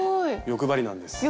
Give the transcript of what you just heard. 欲張りなんですね。